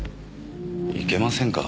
いけませんか？